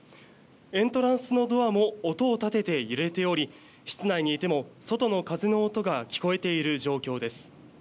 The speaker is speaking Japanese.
エントランスのドアも音を立てて揺れており、室内にいても外の風の音が聞こえている状況です。